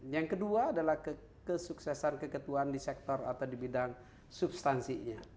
yang kedua adalah kesuksesan keketuaan di sektor atau di bidang substansinya